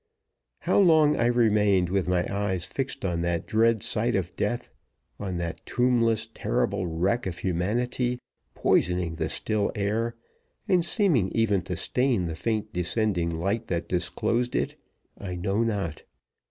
How long I remained with my eyes fixed on that dread sight of death, on that tombless, terrible wreck of humanity, poisoning the still air, and seeming even to stain the faint descending light that disclosed it, I know not.